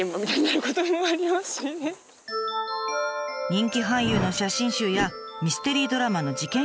人気俳優の写真集やミステリードラマの事件